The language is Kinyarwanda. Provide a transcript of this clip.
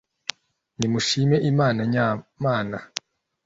Nimushime imana nyamana